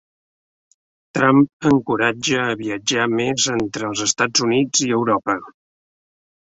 Trump encoratja a viatjar més entre els Estats Units i Europa